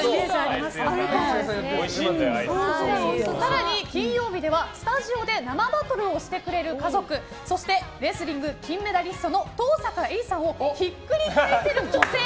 更に金曜日ではスタジオで生バトルをしてくれる家族そしてレスリング金メダリストの登坂絵莉さんをひっくり返せる女性